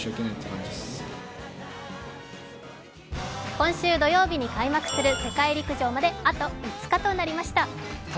今週土曜日に開幕する世界陸上まであと５日となりました。